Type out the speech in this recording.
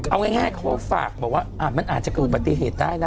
เอาง่ายเขาก็ฝากบอกว่ามันอาจจะเกิดอุบัติเหตุได้นะ